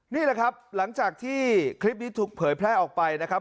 นี่แหละครับหลังจากที่คลิปนี้ถูกเผยแพร่ออกไปนะครับ